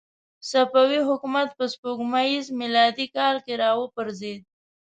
صفوي حکومت په سپوږمیز میلادي کال کې را وپرځېد.